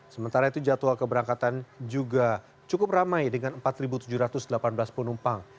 sementara itu jadwal keberangkatan juga cukup ramai dengan empat tujuh ratus delapan belas penumpang